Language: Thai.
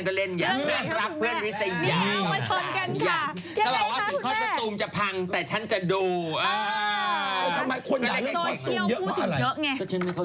คอสตูมจะพังแต่ฉันจะดูเออ